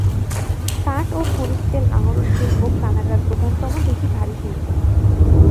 কাঠ ও খনিজ তেল আহরণ শিল্প কানাডার প্রধানতম দুইটি ভারী শিল্প।